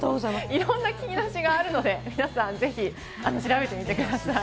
いろんな引き出しがあるのでぜひ調べてみてください。